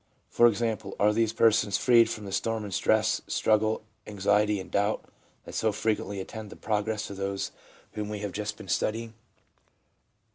For example, are these persons freed from the storm and stress, struggle, anxiety and doubt that so frequently attend the progress of those whom we have just been studying?